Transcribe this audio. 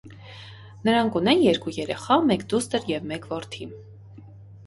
Նրանք ունեն երկու երեխա՝ մեկ դուստր և մեկ որդի։